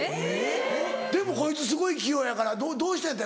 でもこいつすごい器用やからどうしたんやった？